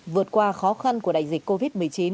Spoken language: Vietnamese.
vượt qua khó khăn của đại dịch covid một mươi chín